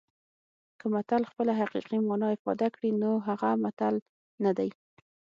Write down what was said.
که متل خپله حقیقي مانا افاده کړي نو هغه متل نه دی